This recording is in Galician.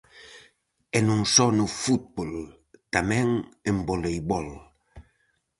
E non só no fútbol, tamén en voleibol!